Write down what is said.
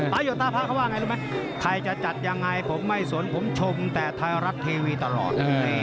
โยตาพระเขาว่าไงรู้ไหมใครจะจัดยังไงผมไม่สนผมชมแต่ไทยรัฐทีวีตลอด